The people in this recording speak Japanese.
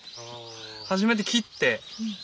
初めて切って。